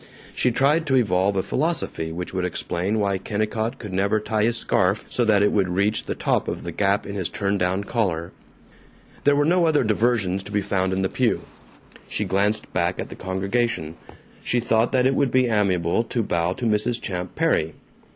She tried to evolve a philosophy which would explain why Kennicott could never tie his scarf so that it would reach the top of the gap in his turn down collar. There were no other diversions to be found in the pew. She glanced back at the congregation. She thought that it would be amiable to bow to Mrs. Champ Perry.